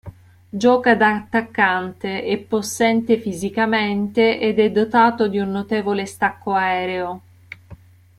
Gioca da attaccante, è possente fisicamente ed è dotato di un notevole stacco aereo.